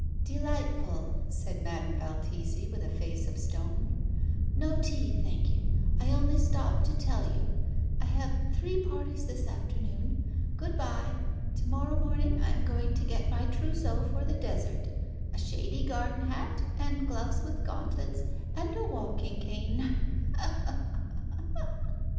"Delightful," said Madame Valtesi, with a face of stone. "No tea, thank you. I only stopped to tell you. I have three parties this afternoon. Good bye. To morrow morning I am going to get my trousseau for the desert, a shady garden hat, and gloves with gauntlets, and a walking cane."